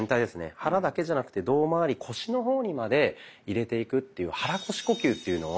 腹だけじゃなくて胴まわり腰の方にまで入れていくという「肚腰呼吸」というのを。